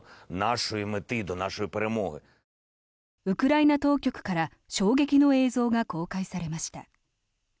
ウクライナ当局から衝撃の映像が公開されました。